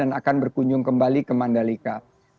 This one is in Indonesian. dan mereka akan berkunjung kembali ke mandalika